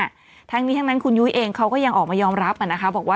ทั้งนี้ทั้งนั้นคุณยุ้ยเองเขาก็ยังออกมายอมรับนะคะบอกว่า